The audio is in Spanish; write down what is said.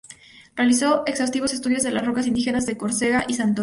Realizó exhaustivos estudios de las rocas ígneas de Córcega y Santorini.